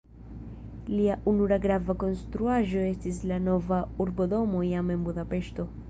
Lia unua grava konstruaĵo estis la nova urbodomo jam en Budapeŝto.